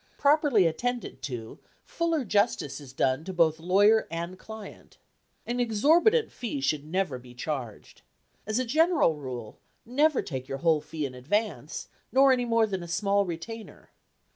"Properly attended to, fuller justice is done to both lawyer and client. 241 LINCOLN THE LAWYER An exorbitant fee should never be charged. As a general rule, never take your whole fee in ad vance, nor any more than a small retainer.